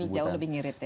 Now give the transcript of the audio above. jadi jauh lebih ngirit ya